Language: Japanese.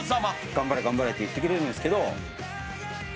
頑張れ頑張れって言ってくれるんですけど。